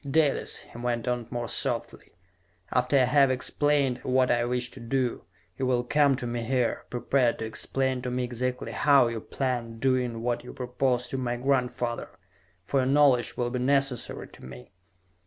"Dalis," he went on, more softly, "after I have explained what I wish to do, you will come to me here, prepared to explain to me exactly how you planned doing what you proposed to my grandfather for your knowledge will be necessary to me...."